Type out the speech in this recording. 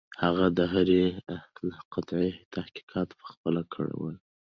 هغه د هرې قطعې تحقیقات پخپله کول.